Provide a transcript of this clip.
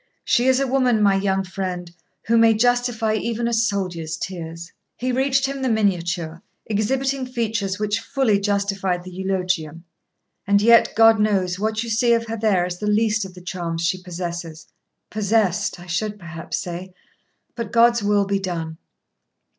'She is a woman, my young friend, who may justify even a soldier's tears.' He reached him the miniature, exhibiting features which fully justified the eulogium; 'and yet, God knows, what you see of her there is the least of the charms she possesses possessed, I should perhaps say but God's will be done.'